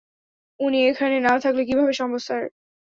উনি এখানে না থাকলে কীভাবে সম্ভব স্যার?